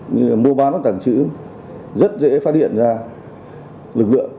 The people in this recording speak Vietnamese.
như là mô bán hoặc tặng chữ rất dễ phát hiện ra lực lượng